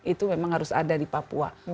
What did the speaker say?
itu memang harus ada di papua